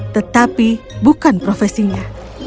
tetapi bukan profesinya